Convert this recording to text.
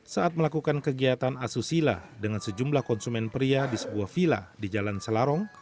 saat melakukan kegiatan asusila dengan sejumlah konsumen pria di sebuah vila di jalan selarong